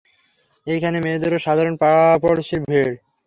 এইখানে মেয়েদের ও সাধারণ পাড়াপড়শির ভিড়।